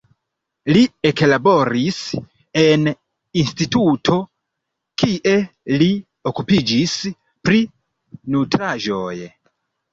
Li eklaboris en instituto, kie li okupiĝis pri nutraĵoj.